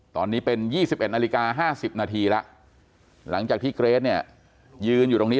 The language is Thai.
ตอนนี้เป็น๒๑นาฬิกา๕๐นาทีแล้วหลังจากที่เกรทเนี่ยยืนอยู่ตรงนี้